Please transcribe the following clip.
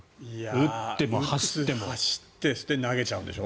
打って走ってそして投げちゃうんでしょ。